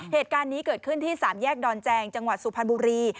เหตุการณ์นี้เกิดขึ้นที่สามแยกดอนแจงจังหวัดสุพรรณบุรี